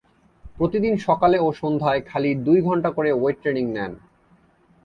প্রতিদিন সকালে ও সন্ধ্যায় খালি দুই ঘণ্টা করে ওয়েট ট্রেনিং নেন।